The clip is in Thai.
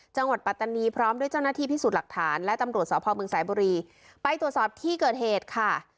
ปัตตานีพร้อมด้วยเจ้าหน้าที่พิสูจน์หลักฐานและตำรวจสพเมืองสายบุรีไปตรวจสอบที่เกิดเหตุค่ะ